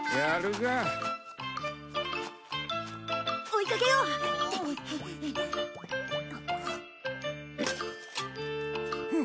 追いかけよう！